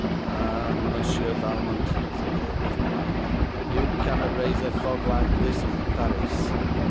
'Ah, Monsieur Valmont,' said Hale with pride, 'you cannot raise a fog like this in Paris!'